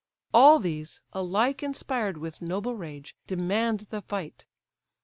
All these, alike inspired with noble rage, Demand the fight.